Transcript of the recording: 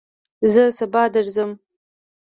زه سبا درځم